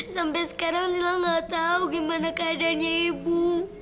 sampai sekarang sila nggak tahu gimana keadaannya ibu